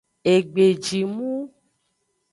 Egbejimu.